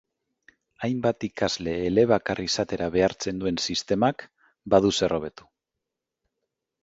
Hainbat ikasle elebakar izatera behartzen duen sistemak badu zer hobetu.